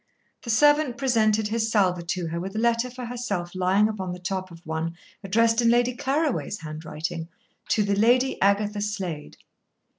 The servant presented his salver to her with a letter for herself lying upon the top of one addressed in Lady Claraway's handwriting "To the Lady Agatha Slade."